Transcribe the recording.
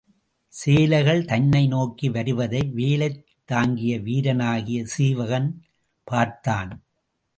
சேலைகள் தன்னை நோக்கி வருவதை வேலைத் தாங்கிய வீரனாகிய சீவகன் பார்த்தான்.